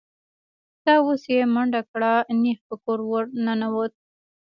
دا اوس یې منډه کړه، نېغ په کور ور ننوت.